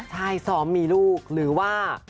ใช่ซ้อมมีลูกหรือว่า